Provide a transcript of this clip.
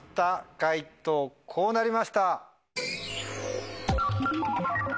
解答こうなりました。